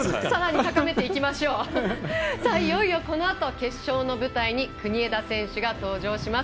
いよいよ、このあと決勝の舞台に国枝選手が登場します。